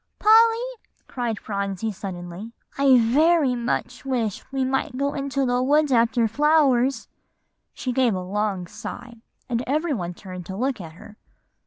"Polly," cried Phronsie suddenly, "I very much wish we might go into the woods after flowers;" she gave a long sigh, and every one turned to look at her.